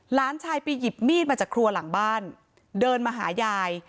หลานชายไปหยิบมีดมาจากครัวหลังบ้านเดินมาหายาย